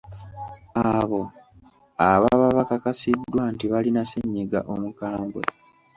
Abo ababa bakakasiddwa nti balina ssennyiga omukambwe.